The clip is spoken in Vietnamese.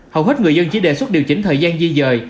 hầu hết người dân chỉ đề xuất điều chỉnh thời gian di dời